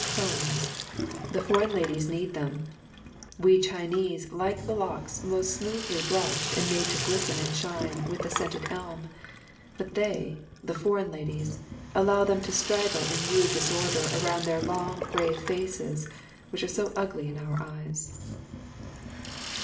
Combs the foreign ladies need them! We Chinese like the locks most smoothly brushed and made to glisten and shine with the scented elm, but they, the foreign ladies, allow them to straggle in rude disorder around their long, grave faces, which are so ugly in our eyes.